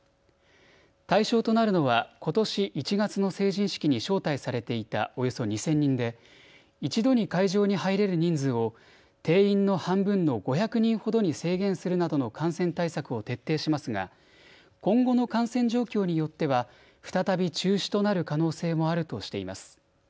対象となるのは、ことし１月の成人式に招待されていたおよそ２０００人で１度に会場に入れる人数を定員の半分の５００人ほどに制限するなどの感染対策を徹底しますが今後の感染状況によっては再び中止となる可能性もあるとしています。